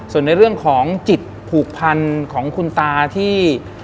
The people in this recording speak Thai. ส่วนในเรื่องของจิตผูกพันของคุณตาที่